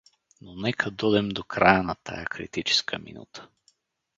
Но нека додем до края на тая критическа минута.